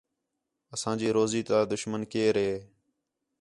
اساں جی روزی تا دُشمن کیئر ہِے